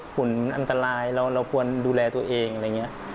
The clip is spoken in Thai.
ผลอันตรายเราควรดูแลตัวเองอะไรอย่างนี้